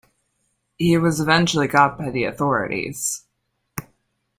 He was eventually caught by the authorities.